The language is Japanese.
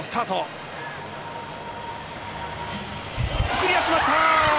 クリアしました！